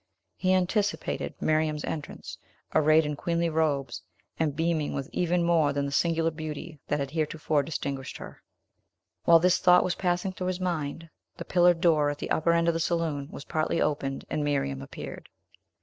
He anticipated Miriam's entrance, arrayed in queenly robes, and beaming with even more than the singular beauty that had heretofore distinguished her. While this thought was passing through his mind, the pillared door, at the upper end of the saloon, was partly opened, and Miriam appeared.